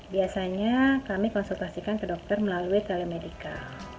biasanya kami konsultasikan ke dokter melalui telemedica